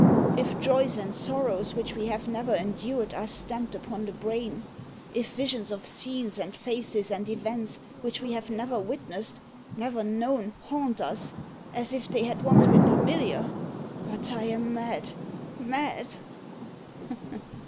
If joys and sorrows which we have never endured are stamped upon the brain if visions of scenes, and faces and events which we have never witnessed, never known, haunt us, as if they had once been familiar? But I am mad mad!"